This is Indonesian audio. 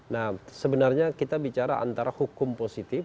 nah sebenarnya kita bicara antara hukum positif